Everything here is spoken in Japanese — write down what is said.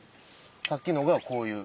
さっきのがこういう。